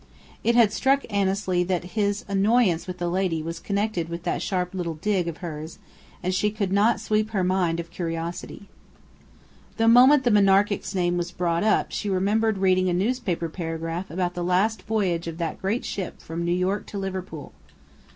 It had struck Annesley that his annoyance with the lady was connected with that sharp little "dig" of hers, and she could not sweep her mind clean of curiosity. The moment the Monarchic's name was brought up she remembered reading a newspaper paragraph about the last voyage of that great ship from New York to Liverpool.